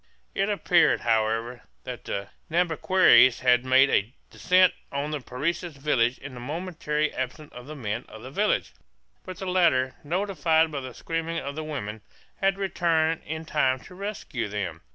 It appeared, however, that the Nhambiquaras had made a descent on the Parecis village in the momentary absence of the men of the village; but the latter, notified by the screaming of the women, had returned in time to rescue them.